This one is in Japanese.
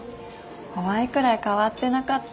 怖いくらい変わってなかった。